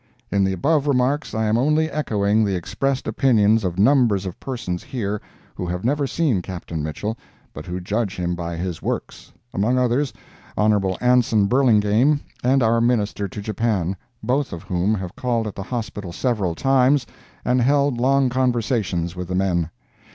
In the above remarks I am only echoing the expressed opinions of numbers of persons here who have never seen Captain Mitchell, but who judge him by his works—among others Hon. Anson Burlingame and our Minister to Japan, both of whom have called at the hospital several times and held long conversations with the men.